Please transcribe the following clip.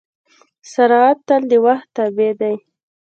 سرعت تل د وخت تابع دی.